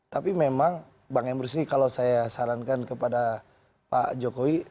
tapi memang bang emrus ini kalau saya sarankan kepada pak jokowi